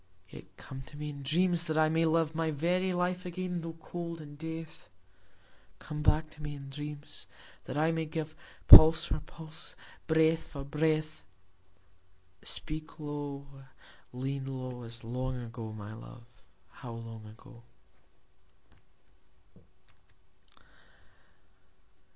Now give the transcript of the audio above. Yet come to me in dreams, that I may live My very life again tho' cold in death: Come back to me in dreams, that I may give Pulse for pulse, breath for breath: Speak low, lean low, As long ago, my love, how long ago.